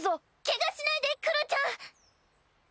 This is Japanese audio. ケガしないでクロちゃん！